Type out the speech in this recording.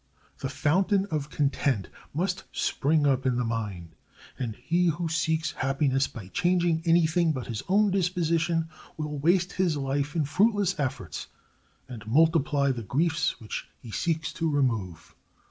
The fountain of content must spring up in the mind, and he who seeks happiness by changing any thing but his own disposition will waste his life in fruitless efforts, and multiply the griefs which he seeks to remove.